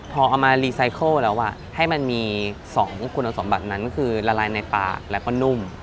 พอเอามารีไซเคิลแล้วให้มันมี๒คุณสมบัตินั้นคือละลายในปากแล้วก็นุ่ม